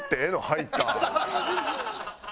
「入った？」。